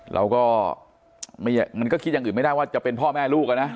เราก็มันก็คิดอย่างอื่นไม่ได้ว่าจะเป็นพ่อแม่ลูกอะนะ